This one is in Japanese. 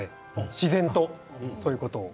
自然とそういうこと。